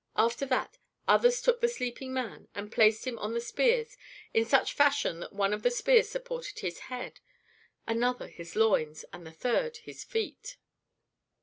After that others took the sleeping man and placed him on the spears in such fashion that one of the spears supported his head, another his loins, and the third his feet.